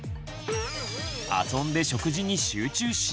遊んで食事に集中しない！